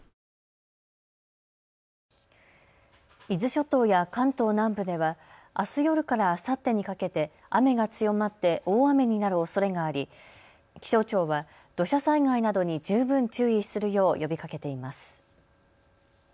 伊豆諸島や関東南部ではあす夜からあさってにかけて雨が強まって大雨になるおそれがあり気象庁は土砂災害などに十分注意するよう呼びかけています。